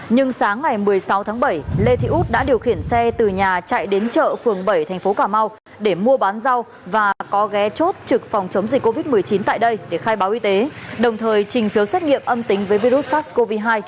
nhưng sáng ngày một mươi sáu tháng bảy lê thị út đã điều khiển xe từ nhà chạy đến chợ phường bảy thành phố cà mau để mua bán rau và có ghé chốt trực phòng chống dịch covid một mươi chín tại đây để khai báo y tế đồng thời trình phiếu xét nghiệm âm tính với virus sars cov hai